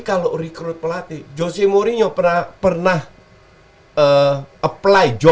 kalau rekrut pelatih jose mourinho